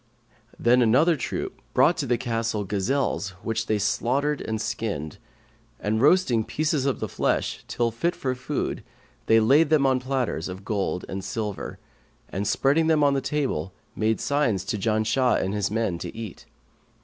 Then another troop brought to the castle gazelles which they slaughtered and skinned; and roasting pieces of the flesh till fit for food they laid them on platters of gold and silver and spreading the table, made signs to Janshah and his men to eat.